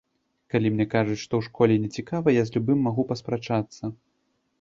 Калі мне кажуць, што ў школе не цікава, я з любым магу паспрачацца.